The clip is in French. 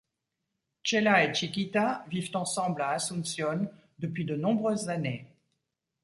Chela et Chiquita vivent ensemble à Asuncion depuis de nombreuses années.